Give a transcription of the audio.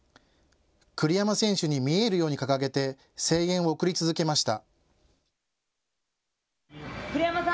栗山選手に見えるように掲げて声援を送り続けました。